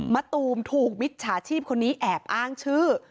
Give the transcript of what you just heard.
มะตูมถูกมิจฉาชีพคนนี้แอบอ้างชื่อ